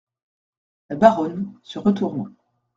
La Baronne , se retournant.